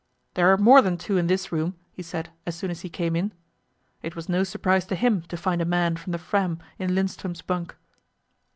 "There are more than two in this room," he said, as soon as he came in. It was no surprise to him to find a man from the Fram in Lindström's bunk.